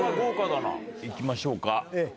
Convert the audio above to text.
いきましょうか。